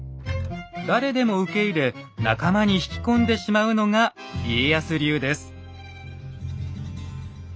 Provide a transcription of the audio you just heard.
誰でも受け入れ仲間に引き込んでしまうのが家康流です。